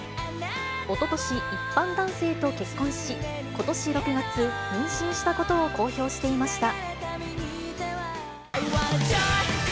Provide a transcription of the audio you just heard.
おととし、一般男性と結婚し、ことし６月、妊娠したことを公表していました。